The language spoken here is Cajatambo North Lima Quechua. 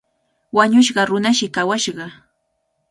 Wañushqa runashi kawashqa.